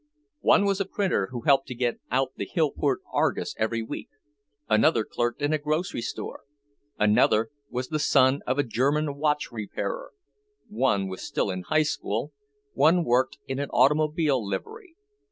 One was a printer who helped to get out the Hillport Argus every week, another clerked in a grocery store, another was the son of a German watch repairer, one was still in High School, one worked in an automobile livery.